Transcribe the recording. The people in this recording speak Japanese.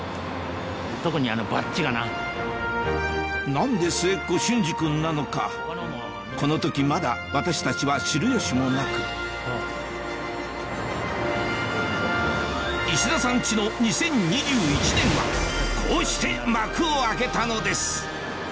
何で末っ子・隼司君なのかこの時まだ私たちは知る由もなく石田さんチの２０２１年はこうして幕を開けたのです